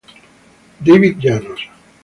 David Llanos